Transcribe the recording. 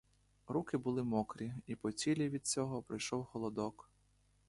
Руки були мокрі, і по тілі від цього пройшов холодок.